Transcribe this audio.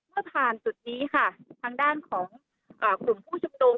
เมื่อผ่านจุดนี้ทางด้านของกลุ่มผู้ชุดลง